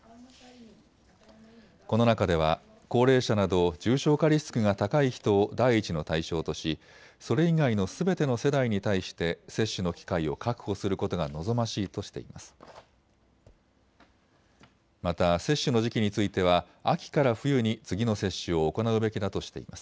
この中では高齢者など重症化リスクが高い人を第一の対象とし、それ以外のすべての世代に対して接種の機会を確保することが望ましいとしています。